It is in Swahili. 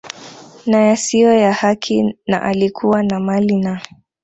na yasiyo ya haki na alikuwa na mali na